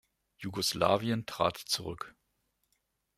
Jugoslawien trat zurück.